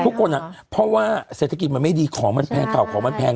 เพราะว่าเศรษฐกิจมันไม่ดีของมันแพงข่าวของมันแพง